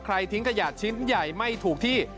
ทิ้งขยะชิ้นใหญ่ไม่ถูกที่